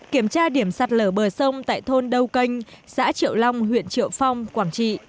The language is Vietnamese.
kiểm tra điểm sạt lở bờ sông tại thôn đông canh xã triệu long huyện triệu phong quảng trị